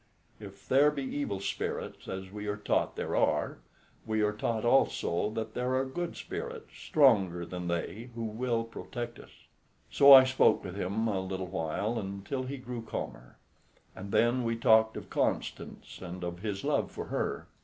If there be evil spirits, as we are taught there are, we are taught also that there are good spirits stronger than they, who will protect us." So I spoke with him a little while, until he grew calmer; and then we talked of Constance and of his love for her.